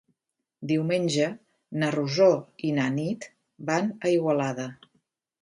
Diumenge na Rosó i na Nit van a Igualada.